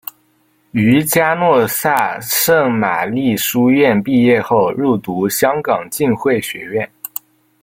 于嘉诺撒圣玛利书院毕业后入读香港浸会学院。